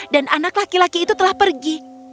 anak laki laki itu telah pergi